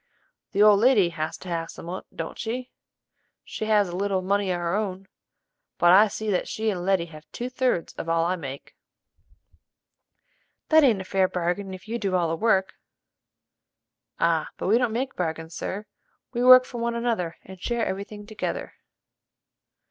"The old lady has to have some on't, don't she?" "She has a little money of her own; but I see that she and Letty have two thirds of all I make." "That ain't a fair bargain if you do all the work." "Ah, but we don't make bargains, sir: we work for one another and share every thing together."